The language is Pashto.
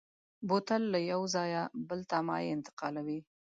بوتل له یو ځایه بل ته مایع انتقالوي.